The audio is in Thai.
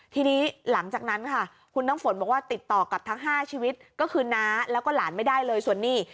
ทีนี้หลังจากนั้นค่ะคุณน้ำฝนบอกว่าติดต่อกับทั้ง๕ชีวิตก็คือน้าแล้วก็หลานไม่ได้เลยส่วนนี้